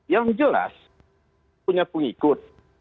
yang jelas punya pengikut